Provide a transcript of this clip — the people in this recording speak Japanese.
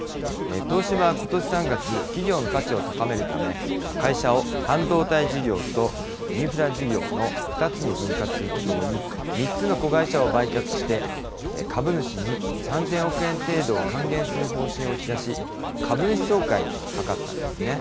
東芝はことし３月、企業の価値を高めるため、会社を半導体事業とインフラ事業の２つに分割するとともに、３つの子会社を売却して、株主に３０００億円程度を還元する方針を打ち出し、株主総会に諮ったんですね。